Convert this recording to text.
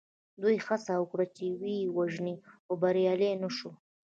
دوی هڅه وکړه چې ویې وژني خو بریالي نه شول.